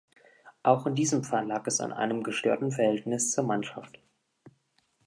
Auch in diesem Fall lag es an einem gestörten Verhältnis zur Mannschaft.